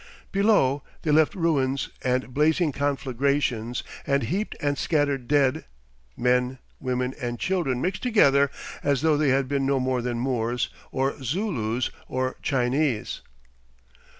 Below, they left ruins and blazing conflagrations and heaped and scattered dead; men, women, and children mixed together as though they had been no more than Moors, or Zulus, or Chinese.